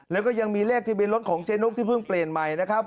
แล้วก็ยังมีเลขทะเบียนรถของเจ๊นกที่เพิ่งเปลี่ยนใหม่นะครับ